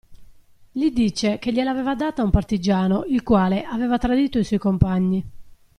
Gli dice che gliel'aveva data un partigiano il quale aveva tradito i suoi compagni.